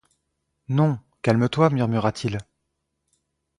Non, calme-toi, murmura-t-il.